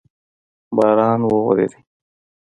باران اوورېدو؟